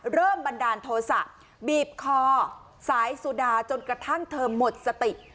บันดาลโทษะบีบคอสายสุดาจนกระทั่งเธอหมดสติ